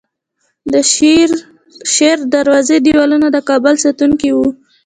د شیردروازې دیوالونه د کابل ساتونکي وو